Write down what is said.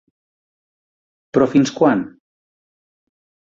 Però fins quan?